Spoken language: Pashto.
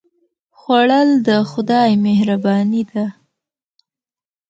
خوړل د خدای مهرباني ده